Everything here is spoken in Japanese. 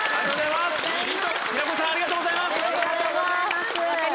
平子さんありがとうございます。